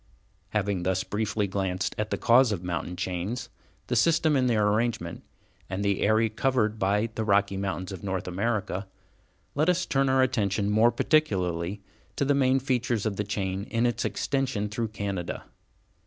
Having thus very briefly glanced at the cause of mountain chains, the system in their arrangement, and the area covered by the Rocky Mountains of North America, let us turn our attention more particularly to the main features of the chain in its extension through Canada.